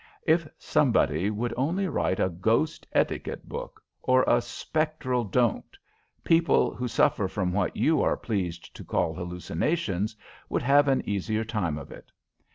If somebody would only write a ghost etiquette book, or a 'Spectral Don't,' people who suffer from what you are pleased to call hallucinations would have an easier time of it.